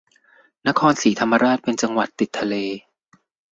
นครศรีธรรมราชเป็นจังหวัดติดทะเล